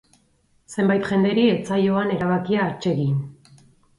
Zenbait jenderi ez zaio han erabakia atsegin.